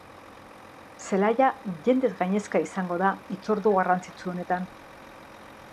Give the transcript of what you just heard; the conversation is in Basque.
Zelaia jendez gainezka izango da hitzordu garrantzitsu honetan.